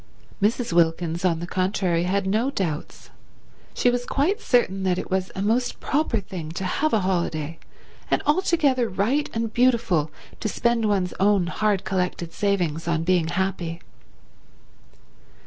Mrs. Wilkins, on the contrary, had no doubts. She was quite certain that it was a most proper thing to have a holiday, and altogether right and beautiful to spend one's own hard collected savings on being happy.